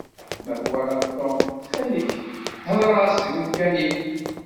Ma twalaḍ Tom, ttxil-k, hder-as deg umkan-iw.